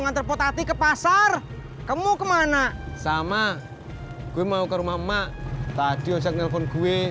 nganter potati ke pasar kamu kemana sama gue mau ke rumah emak tadi saya nelfon gue